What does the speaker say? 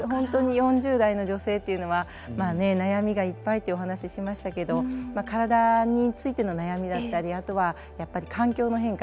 ４０代の女性というのはまあね悩みがいっぱいというお話しましたけどまあ体についての悩みだったりあとはやっぱり環境の変化